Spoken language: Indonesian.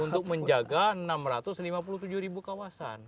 untuk menjaga enam ratus lima puluh tujuh ribu kawasan